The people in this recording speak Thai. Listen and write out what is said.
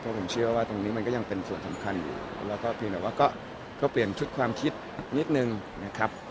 เพราะผมเชื่อว่าตรงนี้มันก็ยังเป็นส่วนสำคัญอยู่แล้วก็เพียงแต่ว่าก็เปลี่ยนชุดความคิดนิดนึงนะครับ